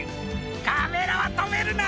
カメラはとめるな！